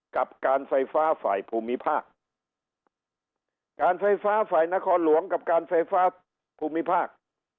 กับการไฟฟ้าฝ่ายภูมิภาคการไฟฟ้าฝ่ายนครหลวงกับการไฟฟ้าภูมิภาค